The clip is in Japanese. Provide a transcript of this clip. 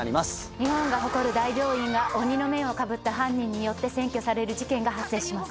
日本が誇る大病院が鬼の面をかぶった犯人によって占拠される事件が発生します。